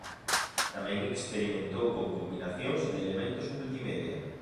Tamén experimentou con combinacións de elementos multimedia.